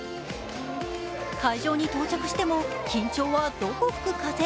会場に到着しても、緊張はどこ吹く風。